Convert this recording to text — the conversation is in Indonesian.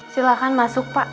silahkan masuk pak